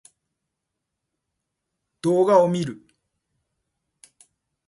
動画を見る